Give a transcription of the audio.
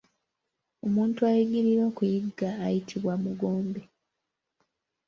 Omuntu ayigirira okuyigga ayitibwa Mugombe.